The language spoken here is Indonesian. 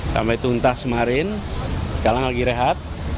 sampai tuntas kemarin sekarang lagi rehat